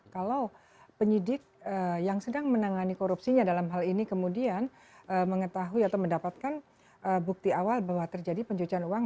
kalau penyidik yang sedang menangani korupsinya dalam hal ini kemudian mengetahui atau mendapatkan bukti awal bahwa terjadi pencucian uang